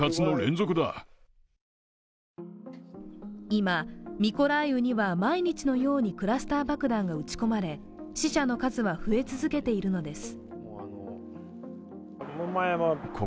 今、ミコライウには毎日のようにクラスター爆弾が撃ち込まれ死者の数は増え続けているのです。